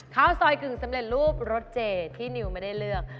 ข้าวซอยกึ่งสำเร็จรูปรสเจที่นิวไม่ได้เลือก